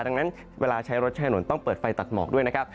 ดังนั้นเวลาใช้รถใช้ถนนต้องเปิดไฟตัดหมอกด้วยนะครับ